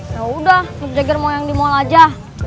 ya udah mick jagger mau yang di mall aja